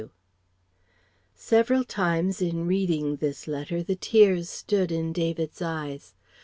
V. W. Several times in reading this letter the tears stood in David's eyes.